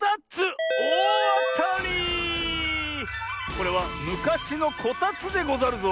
これはむかしのこたつでござるぞ。